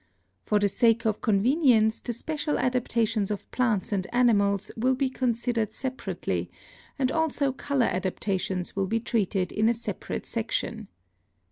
For the sake of convenience the special adaptations of plants and animals will be considered separately, and also color adaptations will be treated in a separate section.